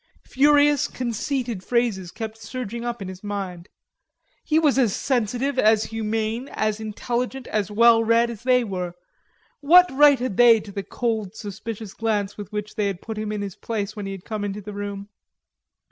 Furious, conceited phrases kept surging up in his mind. He was as sensitive, as humane, as intelligent, as well read as they were; what right had they to the cold suspicious glance with which they had put him in his place when he had come into the room?